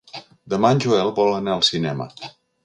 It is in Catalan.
Demà en Joel vol anar al cinema.